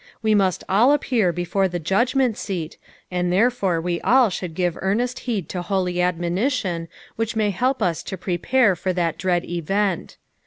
We must all appear before the judgment seat, and therefore we all should give earnest heed to holj admonition which may help us to prepare for that dread event.